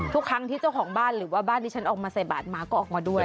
ทุกครั้งที่เจ้าของบ้านหรือว่าบ้านที่ฉันออกมาใส่บาทมาก็ออกมาด้วย